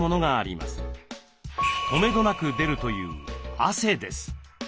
とめどなく出るという汗です。